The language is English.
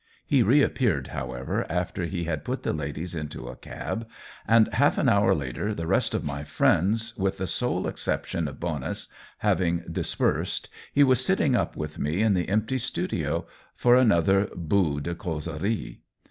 He reappeared, however, after he had put the ladies into a cab, and half an hour later, the rest of my friends, with the sole exception of Bonus, having dispersed, he was sitting up with me in the empty studio for another bout de causerie.